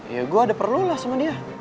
ya gua ada perlu lah sama dia